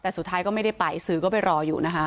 แต่สุดท้ายก็ไม่ได้ไปสื่อก็ไปรออยู่นะคะ